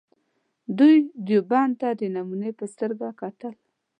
دوی دیوبند ته د نمونې په سترګه کتل.